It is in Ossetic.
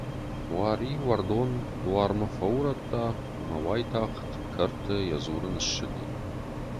Уари уӕрдон дуармӕ фӕурӕдта ӕмӕ уайтагъд кӕрты йӕ дзурын ссыди.